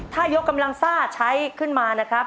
ถ้ายกกำลังซ่าใช้ขึ้นมานะครับ